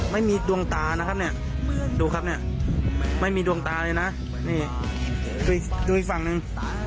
ไม่มีดวงตานะครับเนี่ยดูครับเนี่ยไม่มีดวงตาเลยนะนี่ดูอีกฝั่งหนึ่ง